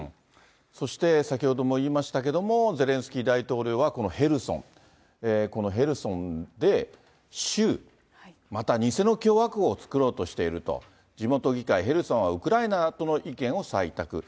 そして先ほども言いましたけども、ゼレンスキー大統領はこのヘルソン、このヘルソンで、州、また偽の共和国を作ろうとしていると、地元議会、ヘルソンはウクライナだとの意見を採択。